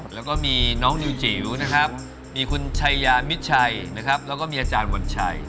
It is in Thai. แล้วก็มีน้องนิวจิ๋วเชยามิชัยแล้วก็มีอาจารย์วันชัย